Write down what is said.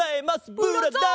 ブラザー！